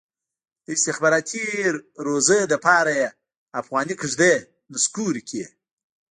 د استخباراتي روزۍ لپاره یې افغاني کېږدۍ نسکورې کړي.